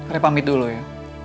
rey pamit dulu ya